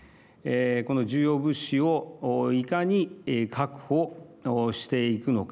この重要物資をいかに確保していくのか。